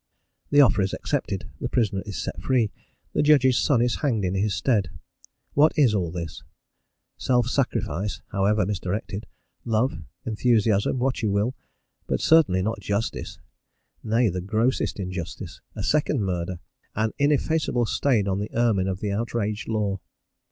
The offer is accepted, the prisoner is set free, the judge's son is hanged in his stead. What is all this? Self sacrifice (however misdirected), love, enthusiasm what you will; but certainly not justice nay, the grossest injustice, a second murder, an ineffaceable stain on the ermine of the outraged law.